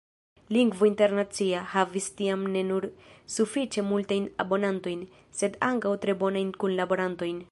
"Lingvo Internacia" havis tiam ne nur sufiĉe multajn abonantojn, sed ankaŭ tre bonajn kunlaborantojn.